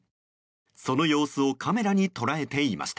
その様子をカメラに捉えていました。